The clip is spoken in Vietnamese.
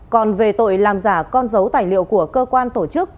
còn về tội làm giả con dấu tài liệu của cơ quan tổ chức